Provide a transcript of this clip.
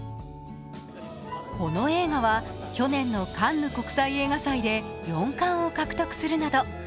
この映画は去年のカンヌ国際映画祭で４冠を獲得するなど